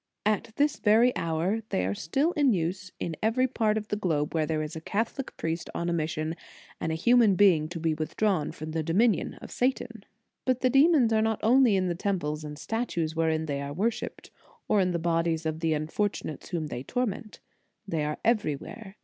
At this very hour they are still in use in every part of the globe where there is a Catholic priest on mission, and a human being to be with drawn from the dominion of Satan. But the demons are not only in the temples and statues wherein they are worshipped, or in the bodies of the unfortunates whom they torment; they are everywhere.